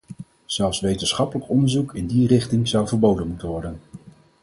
Zelfs wetenschappelijk onderzoek in die richting zou verboden moeten worden.